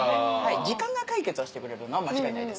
時間が解決をしてくれるのは間違いないです。